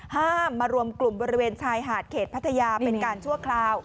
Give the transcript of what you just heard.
ห้ามมารวมกลุ่มบริเวณชายหาดเขตพัทยาเป็นการชั่วคราว